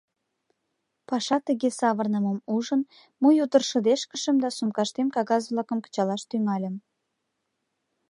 Паша тыге савырнымым ужын, мый утыр шыдешкышым да сумкаштем кагаз-влакым кычалаш тӱҥальым.